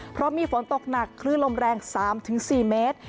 เพราะมีฝนตกหนักคลื่นลมแรง๓๔เมตร